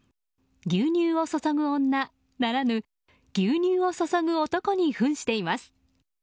「牛乳を注ぐ女」ならぬ「牛乳を注ぐ男」に扮しています。